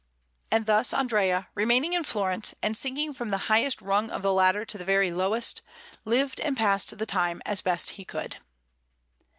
And thus Andrea, remaining in Florence, and sinking from the highest rung of the ladder to the very lowest, lived and passed the time as best he could.